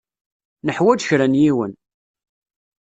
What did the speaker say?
Neḥwaj kra n yiwen.